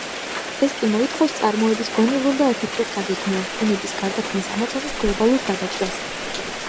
ეს კი მოითხოვს წარმოების გონივრულ და ეფექტურ დაგეგმვას, ბუნების გარდაქმნის ამოცანის გლობალურ გადაჭრას.